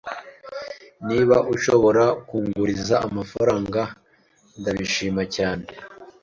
Niba ushobora kunguriza amafaranga, ndabishima cyane.